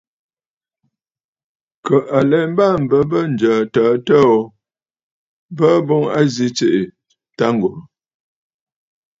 Kə̀ à lɛ mbaà m̀bə bə ǹjə̀ə̀ təə təə ò, bəə boŋ a zi tsiꞌì taaŋgɔ̀ŋə̀.